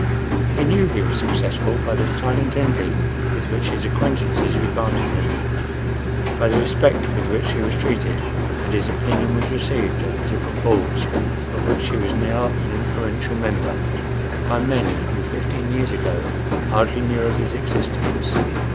He knew he was successful by the silent envy with which his acquaintances regarded him; by the respect with which he was treated and his opinion was received at the different Boards, of which he was now an influential member, by men who fifteen years ago hardly knew of his existence.